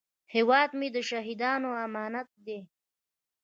هیواد مې د شهیدانو امانت دی